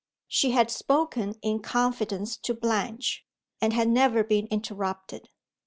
She had spoken in confidence to Blanche, and had never been interrupted.